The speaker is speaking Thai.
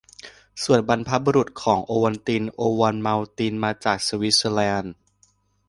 ส่วนบรรพบุรุษของโอวัลติน "โอโวมัลติน" มาจากสวิสเซอร์แลนด์